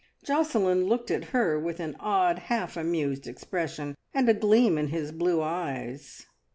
Josselin looked at her with an odd half amused expression, and a gleam in his blue eyes.